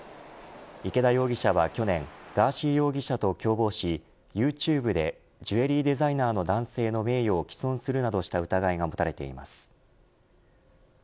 池田容疑者は去年ガーシー容疑者と共謀しユーチューブでジュエリーデザイナーの男性の名誉を毀損するなどした疑いが持たれています。